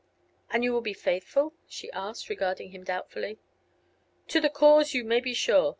"And you will be faithful?" she asked, regarding him doubtfully. "To the cause, you may be sure.